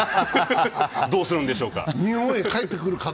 どうするんでしょうか。